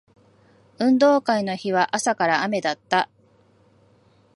運動会の日は朝から雨だった